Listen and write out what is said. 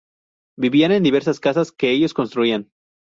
Vivían en diversas casas que ellos construían.